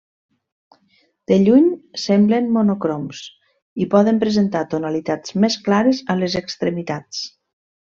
De lluny semblen monocroms, i poden presentar tonalitats més clares a les extremitats.